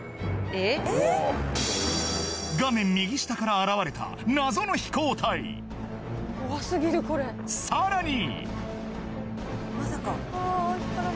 画面右下から現れた謎の飛行体さらに！